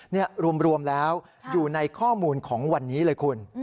นี่รวมแล้วอยู่ในข้อมูลของวันนี้เลยคุณ